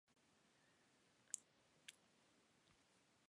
回教坟场的历史年代为清代。